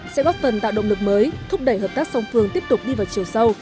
sẽ góp phần tạo động lực mới thúc đẩy hợp tác song phương tiếp tục đi vào chiều sâu